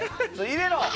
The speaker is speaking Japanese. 入れろ！